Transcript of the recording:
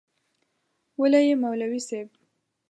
وله یی مولوی صیب